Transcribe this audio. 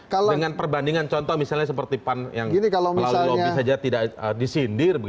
dengan perbandingan contoh misalnya seperti pan yang melalui lobby saja tidak disindir